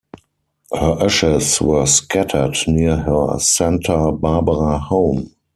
Her ashes were scattered near her Santa Barbara home.